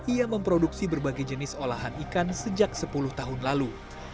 ia memproduksi berbagai jenis olahan ikan sejak sepuluh tahun lalu